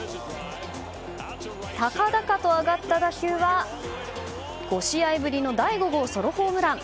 高々と上がった打球は５試合ぶりの第５号ソロホームラン。